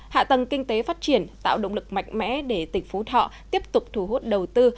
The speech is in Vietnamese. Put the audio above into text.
hạ tầng kinh tế phát triển tạo động lực mạnh mẽ để tỉnh phú thọ tiếp tục thu hút đầu tư